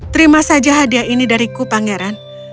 terima saja hadiah ini dariku pangeran